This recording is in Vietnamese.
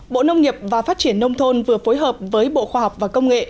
bộ nông nghiệp và phát triển nông thôn vừa phối hợp với bộ khoa học và công nghệ